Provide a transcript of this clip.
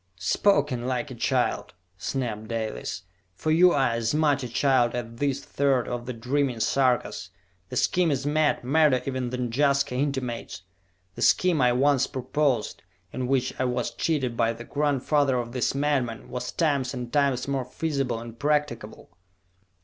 "Spoken like a child!" snapped Dalis. "For you are as much a child as this third of the dreaming Sarkas! The scheme is mad, madder even than Jaska intimates! The scheme I once proposed, in which I was cheated by the grandfather of this madman, was times and times more feasible and practicable!"